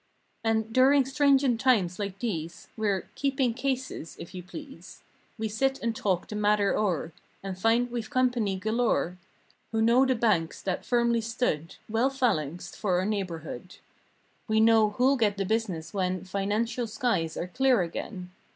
And during stringent times like these, We're "keeping cases," if you please. We sit and talk the matter o'er And find we've company galore. Who know the banks that firmly stood Well phalanxed for our neighborhood. We know who'll get the business when Financial skies are clear again.